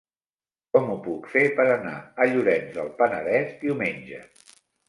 Com ho puc fer per anar a Llorenç del Penedès diumenge?